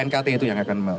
knkt itu yang akan menjelaskan